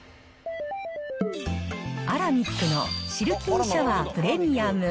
アラミックのシルキーシャワー・プレミアム。